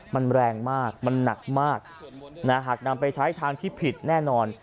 มันแรงมากมันหนักมากหากนำไปใช้ทางที่ผิดแน่นอน